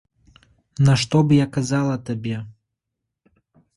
Нашто б я казала табе.